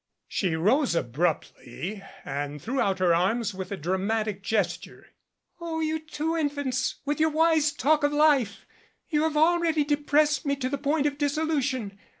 She rose abruptly and threw out her arms with a dramatic gesture. "Oh, you two infants with your wise talk of life you have already depressed me to the point of dissolution.